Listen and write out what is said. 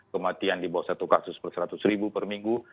kematian di bawah satu kasus per seratus ribu per minggu